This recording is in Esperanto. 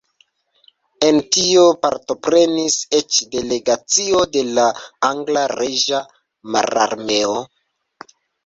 En tio partoprenis eĉ delegacio de la angla Reĝa Mararmeo.